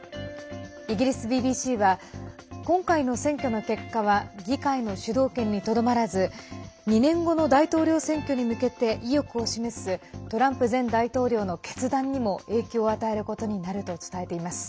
イギリスＢＢＣは今回の選挙の結果は議会の主導権にとどまらず２年後の大統領選挙に向けて意欲を示すトランプ前大統領の決断にも影響を与えることになると伝えています。